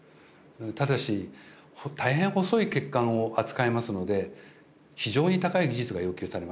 ただし大変細い血管を扱いますので非常に高い技術が要求されます。